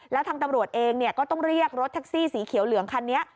แล้วทางตำรวจเองก็ต้องเรียกรถแท็กซี่สีเขียวเหลืองคันนี้